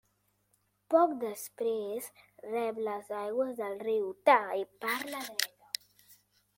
Poc després rep les aigües del riu Tay per la dreta.